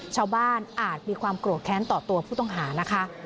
ชาวบ้านอาจมีความกลวดแค้นต่อตัวผู้ต้องหานะคะ